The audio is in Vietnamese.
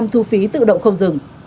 một trăm linh thu phí tự động không dừng